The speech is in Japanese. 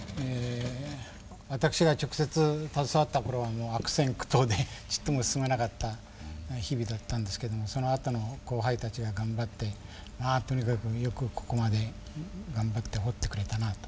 私が直接携わった頃はもう悪戦苦闘でちっとも進まなかった日々だったんですけどもそのあとの後輩たちが頑張ってまあとにかくよくここまで頑張って掘ってくれたなあと。